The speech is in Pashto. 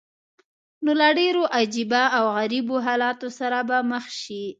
نو له ډېرو عجیبه او غریبو حالاتو سره به مخ شې.